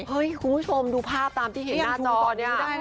คุณผู้ชมดูภาพตามที่เห็นหน้าจอเนี่ย